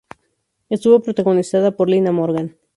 Estuvo protagonizada por Lina Morgan.